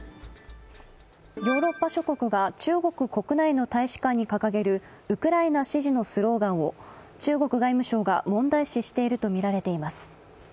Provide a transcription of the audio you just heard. ヨーロッパ諸国が中国国内の大使館に掲げるウクライナ支持のスローガンを中国外務省が問題視しているとみられています。